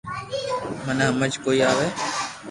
منو ھمج ڪوئي آوي